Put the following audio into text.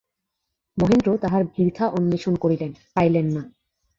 মহেন্দ্র তাঁহার বৃথা অন্বেষণ করিলেন, পাইলেন না।